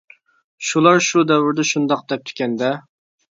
شۇلار شۇ دەۋرىدە شۇنداق دەپتىكەن-دە؟ .